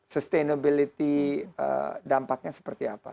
sustainability dampaknya seperti apa